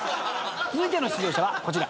続いての出場者はこちら。